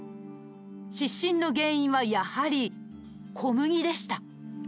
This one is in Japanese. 失神の原因はやはり小麦でした。